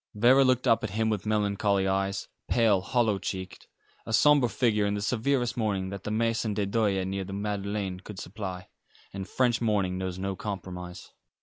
Vera looked up at him with melancholy eyes, pale, hollow cheeked, a sombre figure in the severest mourning that the Maison de Deuil near the Madeleine could supply, and French mourning knows no compromise.